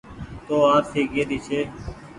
تو آرسي ڪي ري ڇي۔